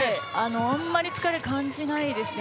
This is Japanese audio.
あまり疲れを感じないですね。